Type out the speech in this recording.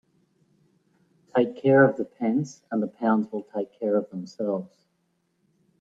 Take care of the pence and the pounds will take care of themselves.